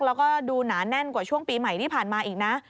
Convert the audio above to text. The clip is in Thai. แล้วก็ดูหนาแน่นกว่าช่วงปีใหม่ที่ผ่านมาอีกนะ